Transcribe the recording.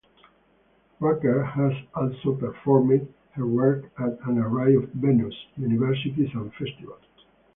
Rucker has also performed her work at an array of venues, universities and festivals.